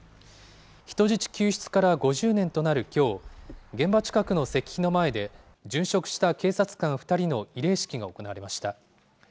人質救出から５０年となるきょう、現場近くの石碑の前で、殉職した警察官２人の慰霊式が行われました。